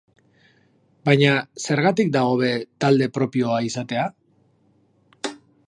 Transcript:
Baina, zergatik da hobe talde propioa izatea?